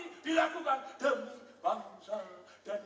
memulai ini dilakukan demi bangsa dan negara